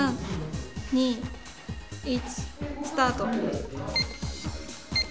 ３２１スタート。